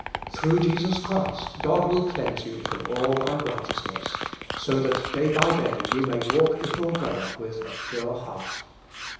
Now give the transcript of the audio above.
Through Jesus Christ, God will cleanse you from all unrighteous ness, so that day by day you may walk before God with a pure heart.